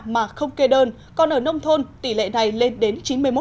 mà không kê đơn còn ở nông thôn tỷ lệ này lên đến chín mươi một